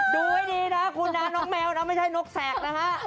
ดูให้ดีนะคุณนะน้องแมวนะไม่ใช่นกแสกนะฮะ